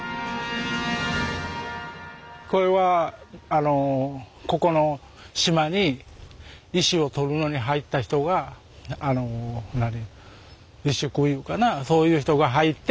これはここの島に石を採るのに入った人が石工いうかなそういう人が入って